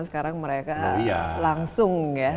sekarang mereka langsung ya